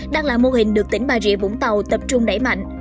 đang là mô hình được tỉnh bà rịa vũng tàu tập trung đẩy mạnh